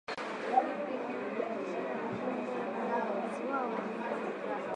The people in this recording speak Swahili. bali kuyaachia majimbo uwamuzi wao wenyewe